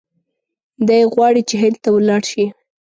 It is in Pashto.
دی غواړي چې هند ته ولاړ شي.